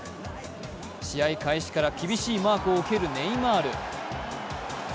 試合開始から厳しいマークを受けるネイマール。